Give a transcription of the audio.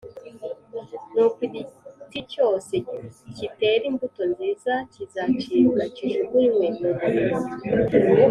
nuko igiti cyose kitera imbuto nziza kizacibwa, kijugunywe mu muriro.